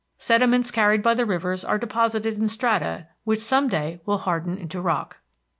Sediments carried by the rivers are depositing in strata, which some day will harden into rock.